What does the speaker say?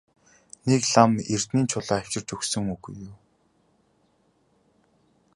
Нэг лам эрдэнийн чулуу авчирч өгсөнгүй юу?